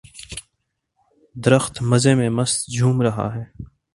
درخت مزے میں مست جھوم رہا ہے